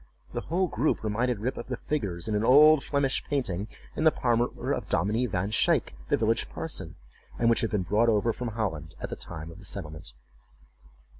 The whole group reminded Rip of the figures in an old Flemish painting, in the parlor of Dominie Van Shaick, the village parson, and which had been brought over from Holland at the time of the settlement.